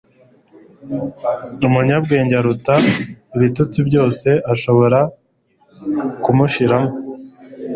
umunyabwenge aruta ibitutsi byose ashobora kumushiraho